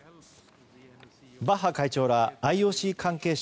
バッハ会長らＩＯＣ関係者